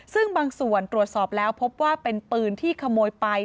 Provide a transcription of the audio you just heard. ซึ่งบางส่วนตรวจสอบแล้วพบว่าเป็นปืนที่ขโมยไป